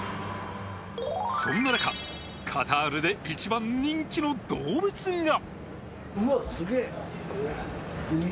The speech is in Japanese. そんな中カタールで一番人気の動物が。